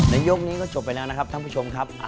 ยกนี้ก็จบไปแล้วนะครับท่านผู้ชมครับ